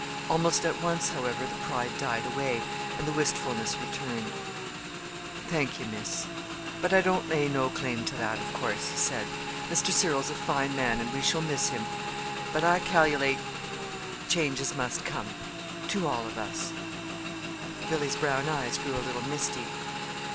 Almost at once, however, the pride died away, and the wistfulness returned. "Thank ye, Miss; but I don't lay no claim to that, of course," he said. "Mr. Cyril's a fine man, and we shall miss him; but I cal'late changes must come to all of us." Billy's brown eyes grew a little misty.